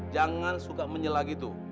jangan suka menyela gitu